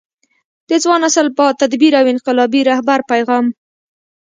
د ځوان نسل با تدبیره او انقلابي رهبر پیغام